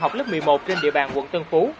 học lớp một mươi một trên địa bàn quận tân phú